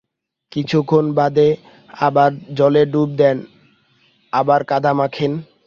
কিছুক্ষণ বাদে আবার জলে ডুব দেন, আবার কাদা মাখেন।